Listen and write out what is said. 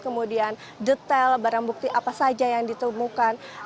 kemudian detail barang bukti apa saja yang ditemukan